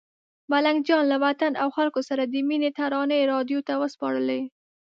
ملنګ جان له وطن او خلکو سره د مینې ترانې راډیو ته وسپارلې.